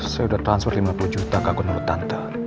saya udah transfer lima puluh juta ke akun urutan